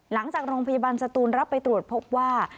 หลังจากโรงพยาบาลสตูนรับไปตรวจพบว่า